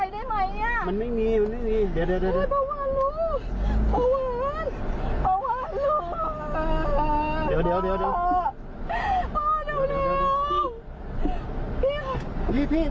เดี๋ยวเดี๋ยว